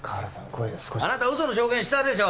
声が少しあなた嘘の証言したでしょ！